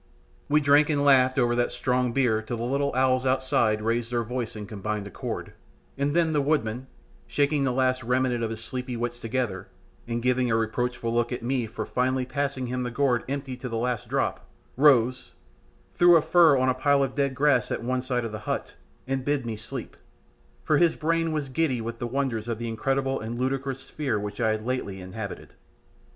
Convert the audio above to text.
We drank and laughed over that strong beer till the little owls outside raised their voice in combined accord, and then the woodman, shaking the last remnant of his sleepy wits together, and giving a reproachful look at me for finally passing him the gourd empty to the last drop, rose, threw a fur on a pile of dead grass at one side of the hut, and bid me sleep, "for his brain was giddy with the wonders of the incredible and ludicrous sphere which I had lately inhabited."